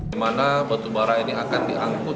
di mana batu bara ini akan diangkut